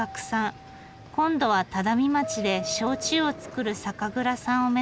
今度は只見町で焼酎を造る酒蔵さんを目指します。